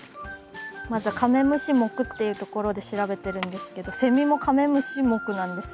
まずカメムシ目っていう所で調べてるんですけどセミもカメムシ目なんですよ。